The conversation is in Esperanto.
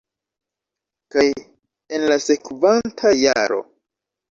kaj en la sekvanta jaro